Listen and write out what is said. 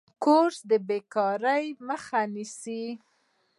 کورس د بیکارۍ مخه نیسي.